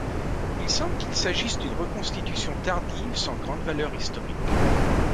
Il semble qu’il s’agisse d’une reconstitution tardive sans grande valeur historique.